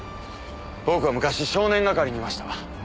僕は昔少年係にいました。